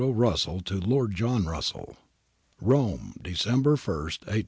Odo Russell to Lord John Russell. • Rome, December ist, i860.